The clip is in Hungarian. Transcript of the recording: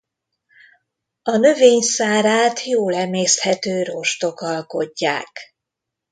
A növény szárát jól emészthető rostok alkotják.